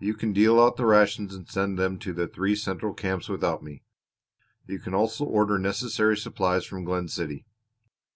You can deal out the rations and send them to the three central camps without me; you can also order necessary supplies from Glen City.